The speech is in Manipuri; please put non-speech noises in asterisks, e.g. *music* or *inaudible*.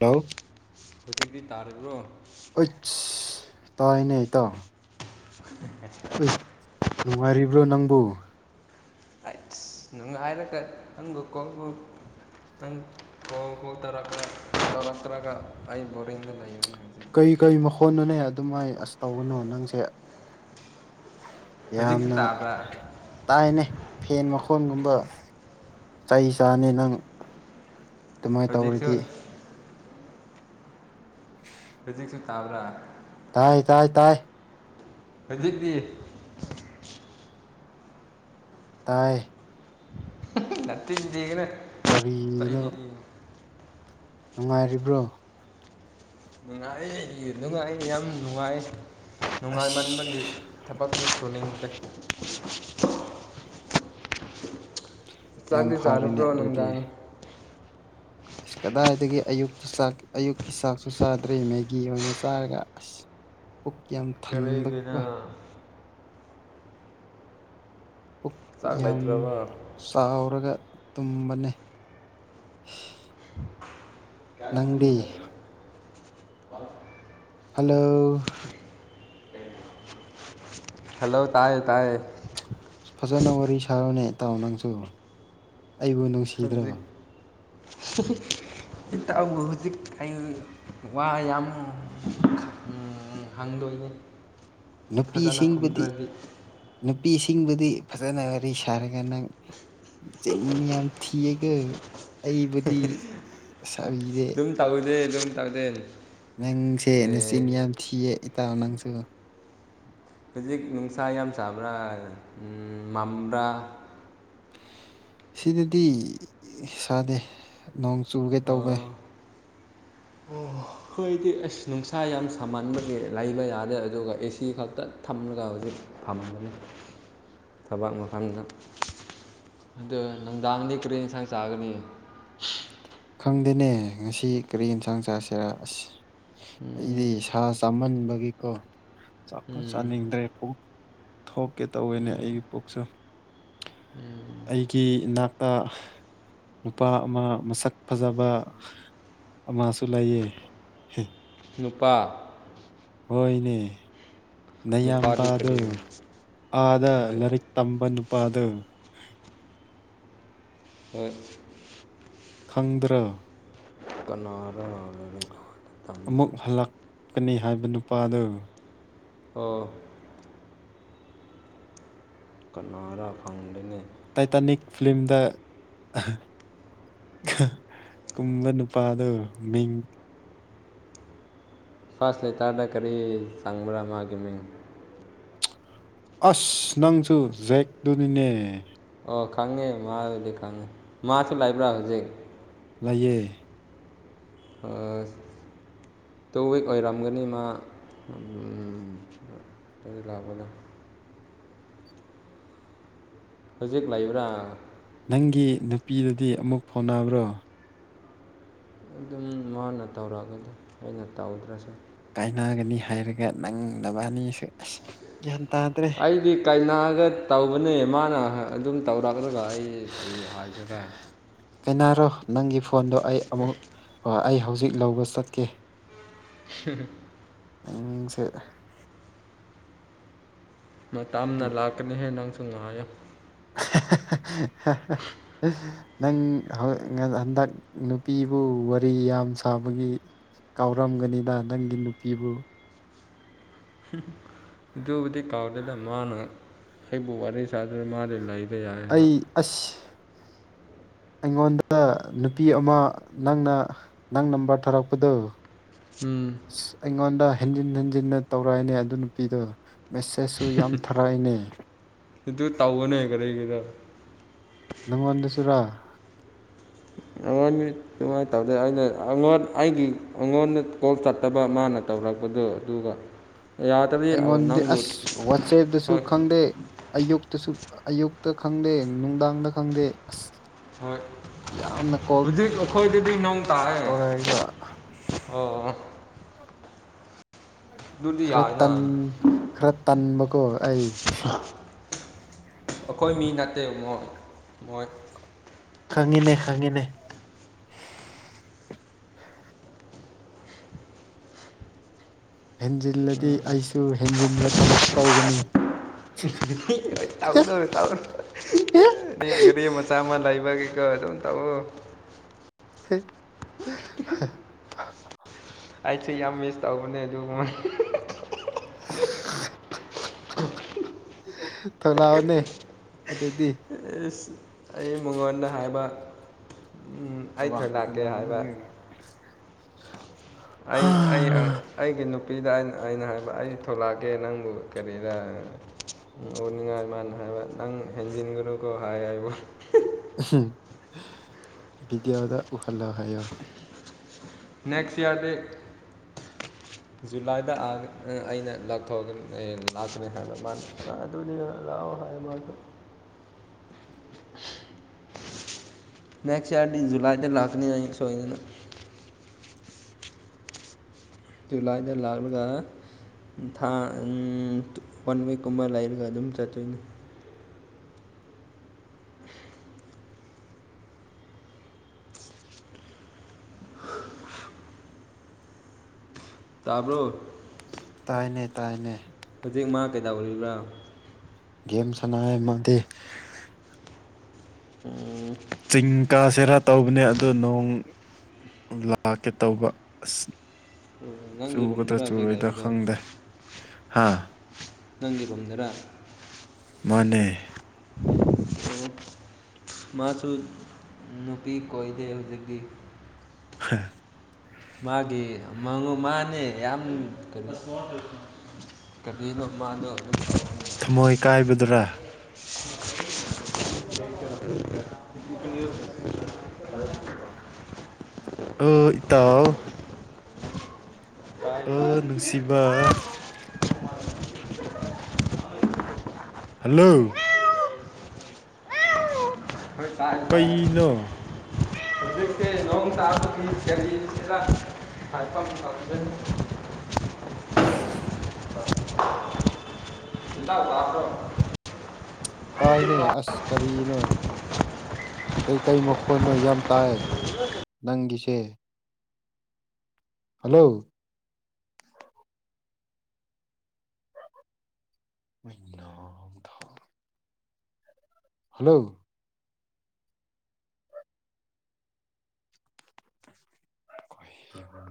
ꯍꯂꯣ ꯍꯧꯖꯤꯛꯇꯤ ꯇꯥꯔꯤꯕ꯭ꯔꯣ ꯑꯩꯁ ꯇꯥꯏꯅꯦꯇꯣ ꯑ ꯅꯨꯡꯉꯔꯤꯔꯤꯕ꯭ꯂꯣ ꯅꯪꯕꯨꯣ ꯑꯩꯁ ꯅꯨꯡꯉꯥꯏꯔꯒ ꯍꯪꯕ ꯀꯣ ꯅꯪ ꯍꯣ ꯍꯣ ꯇꯔꯒ ꯇꯔ ꯇꯔꯥꯒ ꯑꯩ ꯕꯔꯤꯡꯗ ꯂꯩꯕ ꯀꯩ ꯀꯔꯤ ꯃꯈꯣꯟꯅꯣꯅꯦ ꯑꯗꯨꯃꯥꯏ ꯑꯁ ꯇꯧꯧꯕꯅꯣ ꯅꯪꯁꯦ ꯍꯧꯖꯤꯛꯁꯨ ꯌꯥꯝꯅ ꯇꯥꯕ꯭ꯔꯥ ꯇꯥꯏꯅꯦ ꯐꯦꯟ ꯃꯈꯣꯟꯒꯨꯝꯕ ꯆꯍꯤ ꯆꯥꯅꯤ ꯅꯪ ꯑꯗꯨꯃꯥꯏꯅ ꯍꯧꯖꯤꯛꯁꯨ ꯇꯧꯔꯗꯤ *unintelligible* ꯍꯧꯖꯤꯛꯁꯨ ꯇꯥꯕ꯭ꯔꯥ ꯇꯥꯏ ꯇꯥꯏ ꯇꯥꯏ ꯍꯧꯖꯤꯛꯇꯤ ꯇꯥꯏ ꯅꯆꯤꯟ ꯊꯤꯒꯅꯨ ꯀꫪꯤꯅꫭ ꯅꯨꯡꯉꯥꯏꯔꯤꯕ꯭ꯔꯣ ꯅꯨꯡꯉꯥꯏ ꯅꯨꯡꯉꯥꯏ ꯌꯥꯝ ꯅꯨꯡꯉꯥꯏ ꯑꯁ ꯅꯨꯡꯉꯥꯏꯃꯟꯕꯒꯤ ꯊꯕꯛꯁꯨ ꯁꯨꯅꯤꯡꯗꯦ ꯌꯥꯝ ꯆꯥꯛꯂꯤ ꯐꯔꯦꯅꯦ ꯆꯥꯔꯕ꯭ꯔꯣ ꯑꯗꯨꯗꯤ ꯅꯨꯡꯗꯥꯡ ꯑꯁ ꯀꯗꯥꯏꯗꯒꯤ ꯑꯌꯨꯛꯇ ꯆꯥꯛ ꯑꯌꯨꯛꯀꯤ ꯆꯥꯛꯁꯨ ꯆꯥꯗ꯭ꯔꯤ ꯃꯦꯒꯤ ꯑꯣꯏꯅ ꯆꯥꯔꯒ ꯑꯁ ꯄꯨꯛ ꯌꯥꯝ ꯀꯔꯤꯒꯤꯅꯣ ꯊꯟꯕꯒꯤꯀꫭ ꯄꯨꯛ ꯆꯥꯛ ꯌꯥꯝ ꯂꯩꯇ꯭ꯔꯕꯣ ꯆꯥꯎꯔꯒ ꯇꯨꯝꯕꯅꯦ ꯅꯪꯗꯤ *unintelligible* ꯍꯜꯂꯣ ꯍꯜꯂꯣ ꯇꯥꯏꯌꯦ ꯇꯥꯏꯌꯦ ꯐꯖꯅ ꯋꯥꯔꯤ ꯁꯥꯔꫭꯅꯦ ꯏꯇꯥꯎ ꯅꯪꯁꯨ ꯑꯩꯕꯨ ꯅꯨꯡꯁꯤꯗ꯭ꯔꯣ ꯍꯧꯖꯤꯛ ꯍꯤ ꯍꯤ ꯏꯇꯥꯎꯕꯨ ꯍꯧꯖꯤꯛ ꯑꯩ ꯋꯥ ꯌꯥꯝ ꯎꯝ ꯑꯝ ꯍꯪꯗꯣꯏꯅꯤ ꯐꯖꯅ ꯅꯨꯄꯤꯁꯤꯡꯕꯨꯗꯤ ꯈꯨꯝꯗ꯭ꯔꯗꯤ ꯅꯨꯄꯤꯁꯤꯡꯕꯨꯗꯤ ꯐꯖꯅ ꯋꯥꯔꯤ ꯁꯥꯔꯒ ꯅꯪ ꯆꯤꯟ ꯌꯥꯝ ꯊꯤꯌꯥꯒꯄ ꯑꯩꯕꯨꯗꯤ ꯃꯁꯥꯒꯤꯅꯦ ꯑꯗꯨꯝ ꯇꯧꯗꯦ ꯑꯗꯨꯝ ꯇꯧꯗꯦꯗꯤ ꯅꯪꯁꯦ ꯅꯆꯤꯟ ꯌꯥꯝ ꯊꯤꯌꯦ ꯏꯇꯥꯎ ꯅꯪꯁꯨ ꯍꯧꯖꯤꯛ ꯅꯨꯡꯁꯥ ꯌꯥꯝ ꯁꯥꯕ꯭ꯔꯥꯅ ꯃꯝꯕ꯭ꯔꯥ ꯁꯤꯗꯗꯤ ꯁꯥꯗꯦ ꯅꯣꯡ ꯆꯨꯒ‌ꯦ ꯇꯧꯋ‌ꯦ *inaudible* ꯑꯣ ꯈꯣꯏꯗꯤ ꯑꯁ ꯅꯨꯡꯁꯥ ꯌꯥꯝ ꯁꯥꯃꯟꯕꯒꯤ ꯂꯩꯕ ꯌꯥꯗꯦ ꯑꯗꯨꯒ ꯑꯦ ꯁꯤ ꯈꯛꯇ ꯊꯝꯔꯒ ꯍꯧꯖꯤꯛ ꯐꯝꯒꯅꯤ *inaudible* ꯊꯕꯛ ꯃꯐꯝꯗ ꯑꯗꯣ ꯅꯨꯡꯗꯥꯡꯗꯤ ꯀꯔꯤ ꯌꯦꯟꯁꯥꯡ ꯆꯥꯒꯅꯤ ꯈꯪꯗꯦꯅꯦ ꯉꯁꯤ ꯀꯔꯤ ꯌꯦꯟꯁꯥꯡ ꯆꯥꯁꯤꯔ ꯑꯁ ꯑꯩꯗꯤ ꯎꯝ ꯁꯥ ꯆꯥꯃꯟꯕꯒꯤꯀꯣ ꯆꯥꯛꯄ ꯎꯝ ꯆꯥꯅꯤꯡꯗ꯭ꯔꯦ ꯊꯣꯛ ꯀꯦ ꯇꯧꯋꯤꯅꯦ ꯎꯝ ꯑꯩꯒꯤ ꯄꯨꯛꯁꯨ ꯑꯩꯒꯤ ꯏꯅꯥꯛꯇ ꯅꯨꯄꯥ ꯑꯃ ꯃꯁꯛ ꯐꯖꯕ ꯑꯃꯁꯨ ꯂꯩꯌꯦ ꯍꯦ ꯅꯨꯄꯥ ꯍꯣꯏꯅꯦ ꯅꯨꯄꯥꯗꯤ ꯅꯌꯥꯝꯕꯥꯗꯨ ꯀꯔꯤ ꯑꯥꯗ ꯍꯣꯏ ꯂꯥꯔꯤꯛ ꯇꯝꯕ ꯅꯨꯄꯥꯗꫭ ꯍꯣꯏ ꯈꯪꯗꯔꯣ ꯀꯅꯥꯔꯥ ꯂꯥꯏꯔꯤꯛ ꯇꯥꯛ ꯑꯃꯨꯛ ꯍꯜꯂꯛꯀꯅꯤ ꯍꯥꯏꯕ ꯅꯨꯄꯥꯗꯨ ꯑꯣ ꯀꯅꯥꯔꯥ ꯈꯪꯗ‌ꯦꯅ‌ꯦ ꯇꯥꯏꯇꯥꯅꯤꯛ ꯐꯤꯂꯝꯗ ꯀꯨꯝꯕ ꯅꯨ ꯄꯥꯥꯗꯣ ꯃꯤꯡ ꯐꯔꯁ ꯂꯦꯇꯔꯗ ꯀꯔꯤ ꯆꯪꯕ꯭ꯔꯥ ꯃꯥꯒꯤ ꯃꯤꯡ ꯑꯁ ꯅꯪꯁꯨ ꯖꯦꯛꯗꯨꯅꯤꯅꯦ ꯑꯣ ꯈꯪꯉꯦ ꯃꯥꯗꯤ ꯈꯪꯉꯦ ꯃꯥꯁꯨ ꯂꯩꯕ꯭ꯔꯥ ꯍꯧꯖꯤꯛ ꯂꯩꯌꯦ ꯐꯁ ꯇꯨ ꯋꯤꯛ ꯑꯣꯏꯔꯝꯒꯅꯤ ꯃꯥ ꯑꯝ ꯑꯩ ꯂꯥꯛꯄꯗ ꯍꯧꯖꯤꯛ ꯂꯩꯕ꯭ꯔꯥ ꯅꯪꯒꯤ ꯅꯨꯄꯤꯗꯨꯗꯤ ꯑꯃꯨꯛ ꯐꯥꯎꯅꯕ꯭ꯔꯣ ꯑꯗꯨꯝ ꯃꯥꯅ ꯇꯧꯔꯛꯑꯦꯗ ꯑꯩꯅ ꯇꯧꯗ꯭ꯔꯁꯨ ꯀꯥꯏꯅꯒꯅꯤ ꯍꯥꯏꯔꯒ ꯅꯪ ꯅꯕꯅꯤꯁꯨ ꯑꯩꯗꯤ ꯀꯩꯅꯥꯒ ꯇꯧꯕꯅꯦ ꯃꯥꯅ ꯑꯗꯨꯝ ꯇꯧꯔꯛꯂꯒ ꯑꯩ ꯑꯩ ꯀꯔꯤ ꯍꯥꯏꯖꯤꯔꯥ ꯀꯅꯥꯔ ꯅꯪꯒꯤ ꯐꯣꯟꯗꯣ ꯑꯩ ꯑꯃꯨꯛ ꯑꯩ ꯍꯧꯖꯤꯛ ꯂꯧꯕ ꯆꯠꯀꯦ ꯍꯍ ꯅꯪ ꯁꯦ ꯃꯇꯝꯅ ꯂꯥꯛꯀꯅꯤꯍꯦ ꯅꯪꯁꯨ ꯉꯥꯏꯌꯨ ꯍꯍꯍꯍ ꯍꯍ ꯅꯪ ꯍꯟꯗꯛ ꯅꯨꯄꯤꯕꯨ ꯋꯥꯔꯤ ꯌꯥꯝ ꯁꯥꯕꯒꯤ ꯀꯥꯎꯔꯝꯒꯅꯤꯗ ꯅꯪꯒꯤ ꯅꯨꯄꯤꯕꯨ ꯑꯗꯨꯕꯨꯗꯤ ꯀꯥꯎꯗꯦꯗ ꯃꯥꯅ ꯑꯩꯕꯨ ꯋꯥꯔꯤ ꯁꯥꯗꯨꯅ ꯃꯥꯗꯤ ꯂꯩ ꯑꯩ ꯑꯁ ꯑꯩꯉꯣꯟꯗ ꯅꯨꯄꯤ ꯑꯃ ꯅꯪꯅ ꯅꯪ ꯅꯝꯕꯔ ꯊꯥꯔꯛꯄꯗꫭ ꯎꯝ ꯑꯁ ꯑꯩꯉꯣꯟꯗ ꯍꯦꯟꯖꯤꯟ ꯍꯟꯖꯤꯟꯅ ꯇꯧꯔꯛꯑꯦꯅꯦ ꯑꯗꯨ ꯅꯨꯄꯤꯗꯣ ꯃꯦꯁꯦꯁꯁꯨ ꯌꯥꯝ ꯊꯔꯏꯅꯦ ꯑꯗꯨ ꯇꯧꯒꯅꯦ ꯀꯔꯤꯒꯤꫪ ꯅꯪꯉꯣꯟꯗꯁꯨꯔꯥ ꯑ ꯋꯥꯅꯤ ꯀꯨꯃꯥꯏꯅ ꯇꯧꯗꯦ ꯑꯩꯅ ꯑꯉꯣꯟ ꯑꯩꯒꯤ ꯑꯉꯣꯟꯗ ꯀꯣꯜ ꯆꯠꯇꯕ ꯃꯥꯅ ꯇꯧꯔꯛꯄꯗꯣ ꯑꯗꯨꯒ ꯌꯥꯗ꯭ꯔꯗꯤ ꯑꯩꯉꯣꯟꯗꯤ ꯅꯪꯕꯨ ꯑꯁ ꯋꯥꯆꯦꯞꯇꯁꯨ ꯍꯣꯏ ꯈꯪꯗꯦ ꯑꯌꯨꯛꯇꯁꯨ ꯑꯌꯨꯛꯇ ꯈꯪꯗꯦ ꯅꯨꯡꯗꯥꯡꯗ ꯈꯪꯗꯦ ꯑꯁ ꯍꯣꯏ ꯌꯥꯝꯅ ꯀꯣꯜ ꯍꯨꯖꯤꯛ ꯑꯩꯈꯣꯏꯗꯗꯤ ꯅꯣꯡ ꯇꯥꯔꯦ ꯇꯧꯔꯛꯏꯕ ꯑꯣ ꯑꯗꯨꯗꯤ ꯈꯔ ꯌꯥꯏꯅ ꯇꯟ ꯈꯔ ꯇꯟꯕꯀꯣ ꯑꯩ ꯑꯈꯣꯏ ꯃꯤ ꯅꯠꯇꯦ ꯃꯣ ꯃꯣꯏ ꯈꯪꯉꯤꯅꯦ ꯈꯪꯉꯤꯅꯦ ꯍꯦꯟꯖꯤꯜꯂꯗꯤ ꯎꯝ ꯑꯩꯁꯨ ꯍꯦꯟꯖꯤꯟꯕ ꯊꯕꯛ ꯇꯧꯒꯅꯤ ꯇꯧꯔꯣ ꯇꯧꯔꯣ ꯒꯥꯔꯤ ꯃꯆꯥ ꯑꯃ ꯂꯩꯕꯒꯤꯀꯣ ꯑꯗꯨꯝ ꯇꯧꯋꯣ *unintelligible* ꯑꯩꯁꯨ ꯌꯥꯝ ꯃꯤꯁ ꯇꯧꯕꯅꯦ ꯑꯗꯨꯒ ꯊꯂꯥꯎꯅꯦ ꯑꯗꯨꯗꯤ ꯏꯁ ꯑꯩ ꯃꯉꯣꯟꯗ ꯍꯥꯏꯕ ꯎꯝ ꯑꯩ ꯊꯣꯛꯂꯛꯀꯦ ꯍꯥꯏꯕ *unintelligible* ꯑꯩ ꯑꯩ ꯑ ꯑꯩꯒꯤ ꯅꯨꯄꯤꯗ ꯑꯩꯅ ꯑꯩꯅ ꯍꯥꯏꯕ ꯑꯩ ꯊꯣꯛꯂꯛꯑꯒꯦ ꯅꯪꯕꯨ ꯀꯔꯤꯗ ꯎ ꯎꯅꯤꯡꯉꯥꯏ ꯃꯥꯅ ꯍꯥꯏꯕ ꯅꯪ ꯍꯦꯟꯖꯤꯟꯒꯅꯨꯀꯣ ꯍꯥꯏ ꯍꯥꯏꯕ ꯕꯤꯗꯤꯌꫭꯗ ꯎꯨꯍꯜꯂꫭ ꯍꯥꯏꯌꫭ ꯅꯦꯛꯁ ꯏꯌꯥꯔꯗꯤ *inaudible* ꯖꯨꯂꯥꯏꯗ ꯑꯥ ꯑꯩꯅ ꯂꯥꯛꯊꯣꯛꯑꯒꯅꯤ ꯑꯩꯅ ꯂꯥꯛꯀꯅꯤ ꯍꯥꯏꯕ ꯃꯥꯅ ꯑꯗꯨꯗꯨꯅꯤ ꯂꯥꯕ ꯍꯥꯏ ꯌꯥꯝ ꯃꯥꯇ ꯅꯦꯛꯁ ꯏꯌꯥꯔꯗꯤ ꯖꯨꯂꯥꯏꯗ ꯂꯥꯛꯀꯅꯤ ꯑꯩ ꯁꯣꯏꯗꯅ ꯖꯨꯂꯥꯏꯗ ꯂꯥꯛꯂꯒ ꯊꯥ ꯋꯥꯟ ꯋꯤꯛꯀꯨꯝꯕ ꯂꯩꯔꯒ ꯑꯗꯨꯝ ꯆꯠꯇꯣꯏꯅꯤ ꯇꯥꯕ꯭ꯔꯣ ꯇꯥꯏꯅꯦ ꯇꯥꯏꯅꯦ ꯍꯧꯖꯤꯛ ꯃꯥ ꯀꯩꯗꯧ ꯑꯣꯏꯔꯤꯕ꯭ꯔꯥ ꯒꯦꯝ ꯁꯅ ꯃꯥꯗꯤ ꯎꯝ ꯆꯤꯡ ꯀꯥꯁꯤꯦꯔꯥ ꯇꯧꯕꯅꯦ ꯑꯗꯣ ꯅꯣꯡ ꯂꯥꯛꯀꯦ ꯇꯧꯕ ꯑꯁ ꯅꯪꯒꯤ ꯆꯨꯒꯗ ꯔꯨꯝꯗꯔ ꯍꯧꯖꯤꯛ ꯆꯨꯔꯣꯏꯗ ꯂꯩꯕꯗꯣ ꯈꯪꯗꯦ ꯍꯥꯥ ꯅꯪꯒꯤꯒꯣꯝꯗꯔꯥ ꯃꯅꯦ ꯃꯥꯁꯨ ꯅꯨꯄꯤ ꯀꯣꯏꯗꯦ ꯍꯧꯖꯤꯛꯇꯤ ꯍꯝ ꯃꯥꯒꯤ ꯃꯉꯨ ꯃꯥꯅꯦ ꯌꯥꯝ ꯀꯩꯅꯣ ꯀꯕꯤꯔꯣ ꯃꯥꯗꯣ ꯃꯣꯏ ꯀꯥꯏꯕꯗꯨꯔꯥ *inaudible* ꯇꯥꯎ ꯑ ꯇꯥꯏ ꯅꯨꯡꯁꯤꯕ ꯍꯜꯂꯣ ꯀꯩꯅꯣ ꯑꯗꯨꯖꯤꯦ ꯊꯣꯡ ꯇꯥꯕ ꯀꯔꯤꯁꯤꯗ ꯍꯥꯏꯕ ꯇꯖ ꯏ ꯂꯈ꯭ꯔꯣ ꯇꯥꯏꯅꯦ ꯑꯁ ꯀꯔꯤꯅꯣ ꯀꯩꯀꯩ ꯃꯈꯣꯟꯅꯣ ꯌꯥꯝ ꯇꯥꯏ ꯅꯪꯒꯤꯁꯦ ꯍꯜꯂꯣ ꯃꯅꯥ ꯊꯥ ꯍꯜꯂꯣ ꯀꯗꯏꯕ